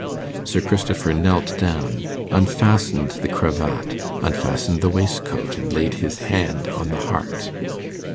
Sir Christopher knelt down, unfastened the cravat, unfastened the waistcoat, and laid his hand on the heart.